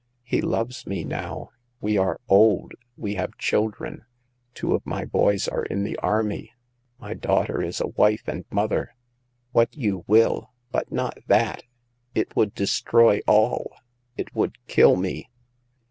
He loves me now ; we are old ; we have children. Two of my boys are in the army ; my daughter is a wife and mother. What you will, but not that ; it would destroy all ; it would kill me